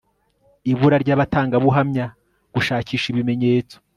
ibura ry abatangabuhamya gushakisha ibimenyetso